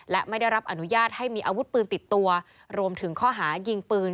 และไม่ได้รับอนุญาตให้มีอาวุธปืนติดตัวรวมถึงข้อหายิงปืน